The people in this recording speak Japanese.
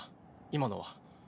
今のは。